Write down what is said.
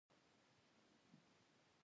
جبارکاکا دې دروازې په لور راغلو.